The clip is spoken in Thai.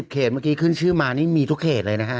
เขตเมื่อกี้ขึ้นชื่อมานี่มีทุกเขตเลยนะฮะ